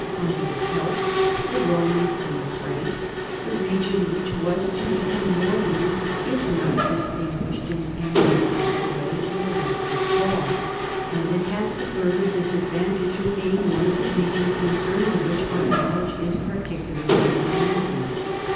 Under the Celts, the Romans, and the Franks, the region which was to become Nor mandy is not distinguished in any notable way from the rest of Gaul, and it has the further disadvantage of being one of the regions concerning which our knowl edge is particularly scanty.